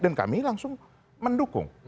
dan kami langsung mendukung